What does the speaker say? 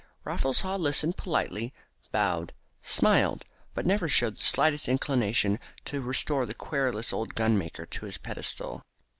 Raffles Haw listened politely, bowed, smiled, but never showed the slightest inclination to restore the querulous old gunmaker to his pedestal.